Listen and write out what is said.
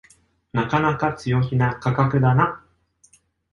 なかなか強気な価格だな